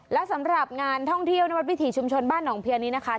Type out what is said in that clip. และสำหรับงานท่องเที่ยวนวัดวิถีชุมชนบ้านหนองเพียนี้นะคะ